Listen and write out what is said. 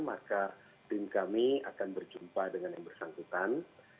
maka tim kami akan berjumpa dengan yang bersangkutan